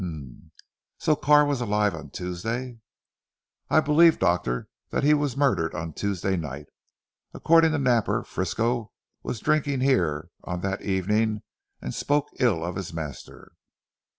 "H'm! So Carr was alive on Tuesday!" "I believe doctor, that he was murdered on Tuesday night. According to Napper, Frisco, was drinking here on that evening, and spoke ill of his master.